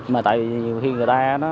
mà tại vì nhiều khi người ta